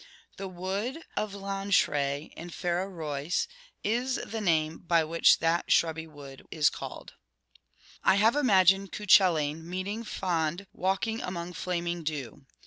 The wood of Lanshraigh, in Feara Rois, is the name by which that shrubby wood is called. ' I have imagined Cuchullain meeting Fand 'walking among flaming dew.'